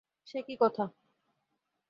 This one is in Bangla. সে কী কথা!